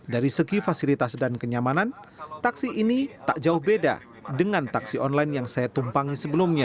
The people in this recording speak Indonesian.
dari segi fasilitas dan kenyamanan taksi ini tak jauh beda dengan taksi online yang saya tumpangi sebelumnya